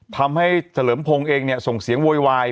ทำให้เฉลิมพงศ์เองเนี่ยส่งเสียงโวยวาย